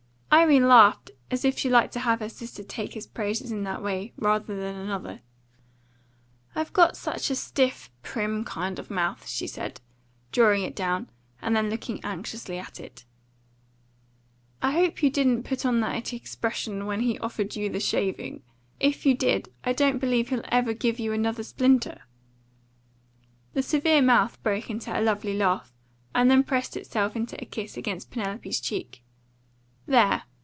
Irene laughed as if she liked to have her sister take his praises in that way rather than another. "I've got such a stiff, prim kind of mouth," she said, drawing it down, and then looking anxiously at it. "I hope you didn't put on that expression when he offered you the shaving. If you did, I don't believe he'll ever give you another splinter." The severe mouth broke into a lovely laugh, and then pressed itself in a kiss against Penelope's cheek. "There!